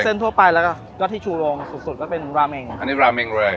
เส้นทั่วไปแล้วที่ชั่วโรงสุดก็เป็นราเม้งอันนี้ราเม้งเลย